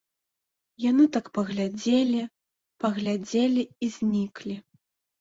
Яны так паглядзелі, паглядзелі і зніклі.